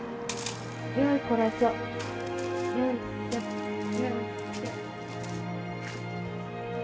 よいこらしょよいしょ、よいしょ。